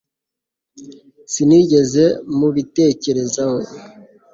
Sinigeze mubitekerezaho